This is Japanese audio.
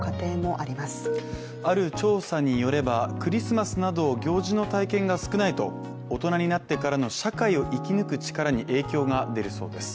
ある調査によればクリスマスなど行事の体験が少ないと大人になってからの社会を生き抜く力に影響が出るそうです。